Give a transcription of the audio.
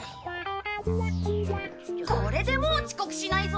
これでもう遅刻しないぞ！